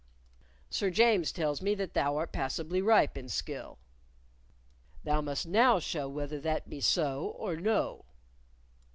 Sir James tells me that thou art passably ripe in skill. Thou must now show whether that be so or no.